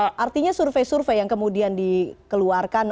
oke artinya survei survei yang kemudian dikeluarkan